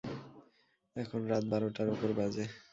এখন রাত্র বারোটার উপর বাজে।